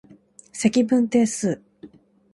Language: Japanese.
積分定数